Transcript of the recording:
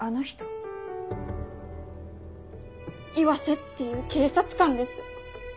岩瀬っていう警察官です。